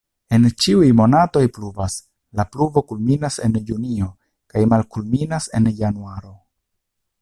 En ĉiuj monatoj pluvas, la pluvo kulminas en junio kaj malkulminas en januaro.